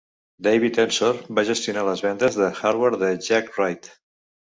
David Ensor va gestionar les vendes de hardware de Jacq-Rite.